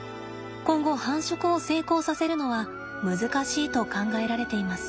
今後繁殖を成功させるのは難しいと考えられています。